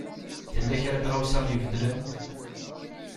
Tella kra n tɣawsa i ibeddlen?